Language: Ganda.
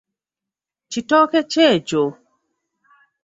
Kitooke ki ekyo?